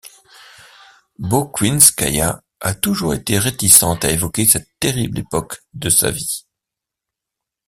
Boguinskaia a toujours été réticente à évoquer cette terrible époque de sa vie.